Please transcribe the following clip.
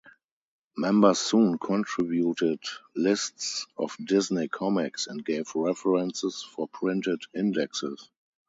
Members soon contributed lists of Disney comics and gave references for printed indexes.